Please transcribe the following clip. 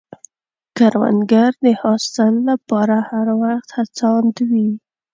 کروندګر د حاصل له پاره هر وخت هڅاند وي